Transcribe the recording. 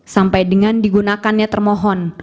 sampai dengan digunakannya termohon